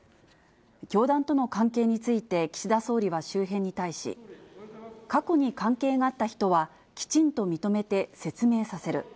教団との関係について、岸田総理は周辺に対し、過去に関係があった人は、きちんと認めて説明させる。